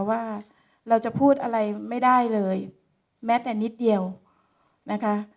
ว่าเราจะพูดอะไรไม่ได้เลยแม้แต่นิดเดียวนะคะ